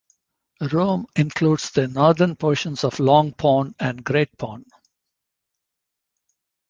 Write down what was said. Rome includes the northern portions of Long Pond and Great Pond.